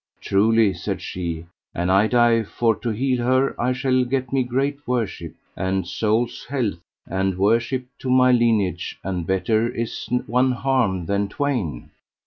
Truly, said she, an I die for to heal her I shall get me great worship and soul's health, and worship to my lineage, and better is one harm than twain.